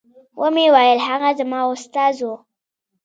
ومې ويل هغه زما استاد و.